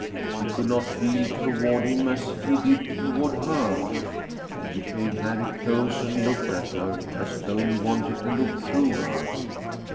She could not feel toward him as he did toward her. He came very close and looked at her, as though he wanted to look through her.